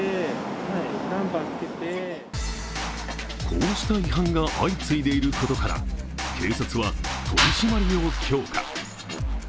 こうした違反が相次いでいることから警察は取り締まりを強化。